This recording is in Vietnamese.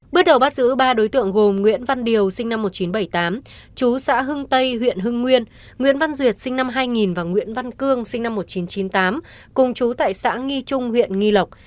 bước đầu bắt giữ ba đối tượng gồm nguyễn văn điều sinh năm một nghìn chín trăm bảy mươi tám chú xã hưng tây huyện hưng nguyên nguyễn văn duyệt sinh năm hai nghìn và nguyễn văn cương sinh năm một nghìn chín trăm chín mươi tám cùng chú tại xã nghi trung huyện nghi lộc